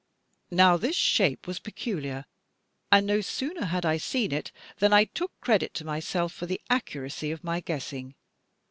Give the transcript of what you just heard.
Now this shape was peculiar; and no sooner had I seen it, than I took credit to myself for the accuracy of my guessing.